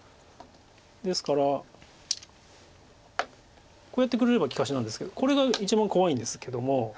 ですからこうやってくれれば利かしなんですけどこれが一番怖いんですけども。